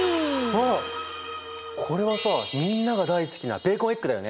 あっこれはさみんなが大好きなベーコンエッグだよね。